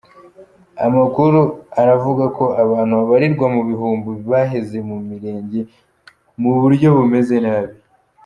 Amakurur aravuga ko abantu babarirwa mu bihumbi baheze mu mirenge mu buryo bumeze nabi.